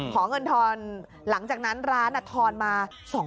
ขอเงินทอนหลังจากนั้นร้านทอนมา